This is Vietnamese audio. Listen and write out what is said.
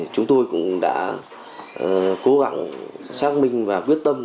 chúng tôi cũng đã cố gắng xác minh và quyết tâm